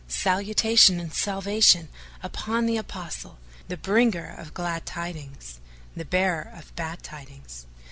Salutation and salvation upon the Apostle, the Bringer of glad Tidings, the Bearer of bad Tidings!''